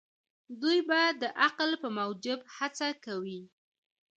دوی به د عقل په موجب هڅه کوي.